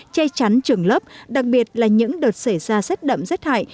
che chắn trường lớp đặc biệt là những đợt xảy ra rất đậm rất hại